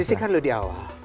sisikan dulu di awal